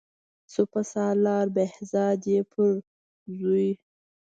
سپه سالار بهزاد یې پرزوي.